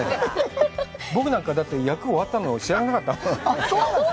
僕なんか厄が終わったの知らなかったもん。